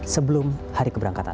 sebelum hari keberangkatan